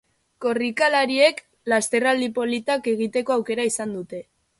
Korrikalariek lasterraldi politak egiteko aukera izan dute.